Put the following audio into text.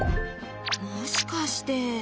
もしかして。